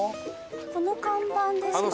この看板ですかね？